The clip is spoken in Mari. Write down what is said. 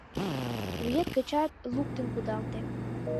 Вует гычат луктын кудалте!»